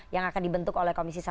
yang akan dibentuk oleh komisi satu